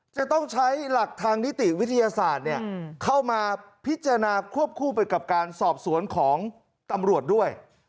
จะต้องใช้หลักทางนิติวิทยาศาสตร์เข้ามาพิจารณาควบคู่ไปกับการสอบสวนของตำรวจด้วย